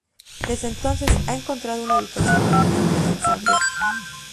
Desde entonces, ha encontrado una ubicación permanente en Zagreb.